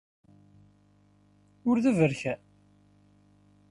Ur d aberkan?